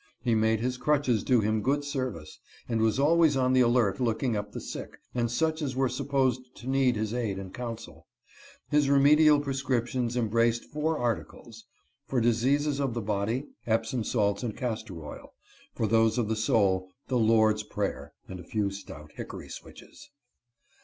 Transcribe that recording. He made his crutches do him good service, and was always on the alert looking up the sick, and such as were supposed to need his aid and counsel. His remedial prescriptions embraced four articles. For diseases of the body, epsom salts and castor oil ; for those of the soul, the " Lord's prayer," and a few stout hickory switches.